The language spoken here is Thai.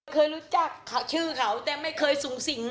เคยรู้จักเขาชื่อเขาแต่ไม่เคยสูงสิง